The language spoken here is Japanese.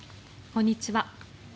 こんにちは。